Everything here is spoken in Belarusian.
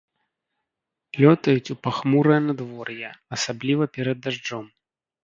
Лётаюць у пахмурае надвор'е, асабліва перад дажджом.